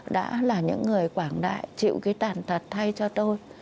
đã là những người quảng đại chịu cái tàn tật thay cho tôi